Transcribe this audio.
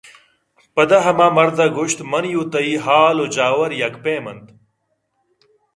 پدا ہما مَردءَگوٛشت منیءُ تئی حالءُ جاور یکّ پیم اَنت